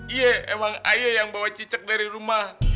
iya emang ayah yang bawa cicak dari rumah